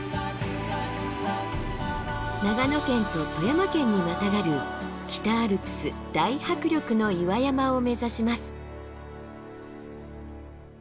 長野県と富山県にまたがる北アルプス大迫力の岩山を目指します。